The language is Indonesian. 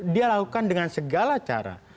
dia lakukan dengan segala cara